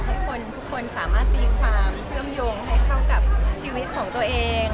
ทุกคนทุกคนสามารถตีความเชื่อมโยงให้เข้ากับชีวิตของตัวเอง